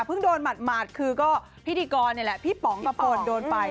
โดนหมาดคือก็พิธีกรนี่แหละพี่ป๋องกระพลโดนไป